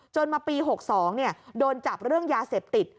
มาปี๖๒โดนจับเรื่องยาเสพติด